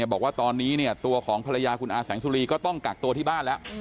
บอกว่าตอนนี้ตัวของภรรยาคุณอาแสงสุรีก็ต้องกักตัวที่บ้านแล้ว